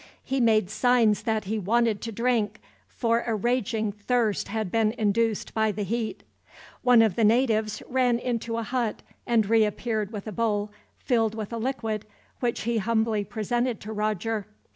He made signs that he wanted to drink, for a raging thirst had been induced by the heat. One of the natives ran into a hut and reappeared with a bowl, filled with a liquid, which he humbly presented to Roger.